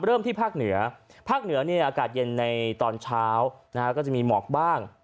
เริ่มที่ภาคเหนือภาคเหนืออากาศเย็นในตอนเช้าก็จะมีเหมาะบ้าง